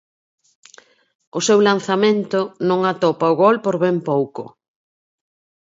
O seu lanzamento non atopa o gol por ben pouco.